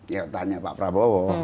ya tanya pak prabowo